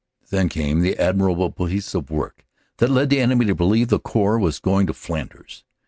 Then came the admirable piece of work that led the enemy to believe the Corps was going to Flanders.